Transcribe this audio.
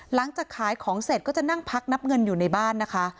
หลังจากขายของเสร็จก็จะนั่งพักนับเงินอยู่ในบ้านนะคะ